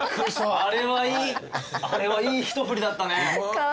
あれはいい一振りだったね。